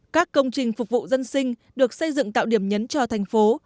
các công trình phục vụ dân sinh được xây dựng tạo điểm nhấn cho thành phố